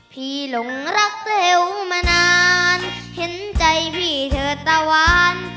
พี่หลงรักเต๋วมานานเห็นใจพี่เธอตะวาน